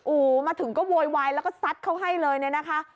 โอ้โหมาถึงก็โวยวายแล้วก็ซัดเขาให้เลยเนี่ยนะคะ